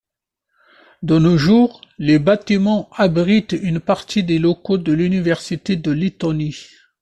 De nos jours, les bâtiments abritent une partie des locaux de l'université de Lettonie.